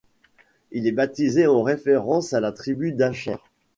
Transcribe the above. Il est baptisé en référence à la tribu d'Asher.